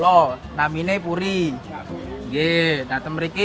oh sudah lima tahun mbak